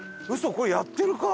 これやってるか？